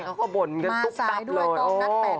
เค้าก็บนนี่ทุกแล้วโอ้โฮเขาก็บนนี่ทุกมาสายด้วย